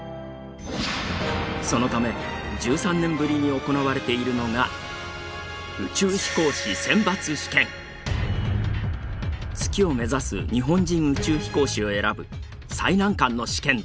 そのため１３年ぶりに行われているのが月を目指す日本人宇宙飛行士を選ぶ最難関の試験だ。